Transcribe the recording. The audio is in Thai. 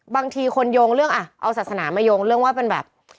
บางทีคนโยงเรื่องอ่ะเอาศาสนามาโยงเรื่องว่าเป็นแบบ